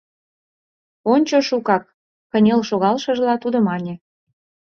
— Ончо, шукак, — кынел шогалшыжла тудо мане.